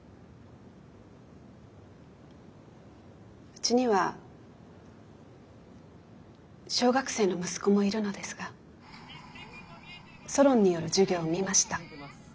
うちには小学生の息子もいるのですがソロンによる授業を見ました。